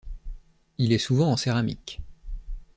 Il est souvent en céramique.